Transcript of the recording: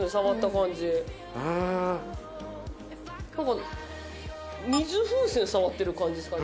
なんか水風船、触っている感じですかね。